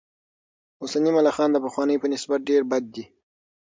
اوسني ملخان د پخوانیو په نسبت ډېر بد دي.